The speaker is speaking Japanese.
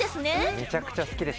めちゃくちゃ好きです。